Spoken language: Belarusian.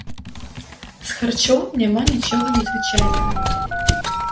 З харчоў няма нічога незвычайнага.